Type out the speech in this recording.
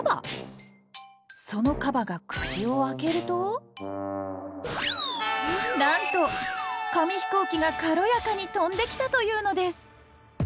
そのカバが口を開けるとなんと紙飛行機が軽やかに飛んできたというのです。